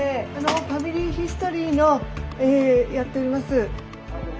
「ファミリーヒストリー」のやっております。